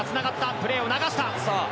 プレーを流した。